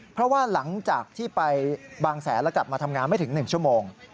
เพราะว่าหลังจากที่ไปบางแสนแล้วกลับมาทำงานไม่ถึง๑ชั่วโมง